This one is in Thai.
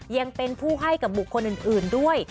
ยังเป็นผู้ให้กับบุคคลอื่นด้วย